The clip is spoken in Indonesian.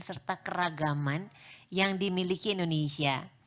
serta keragaman yang dimiliki indonesia